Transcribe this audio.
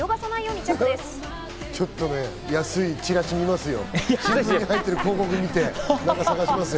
ちょっと安いチラシを見ますよ。